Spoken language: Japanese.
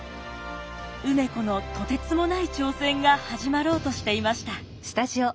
梅子のとてつもない挑戦が始まろうとしていました。